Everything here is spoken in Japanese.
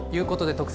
「特選！